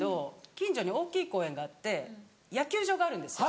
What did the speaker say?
近所に大きい公園があって野球場があるんですよ。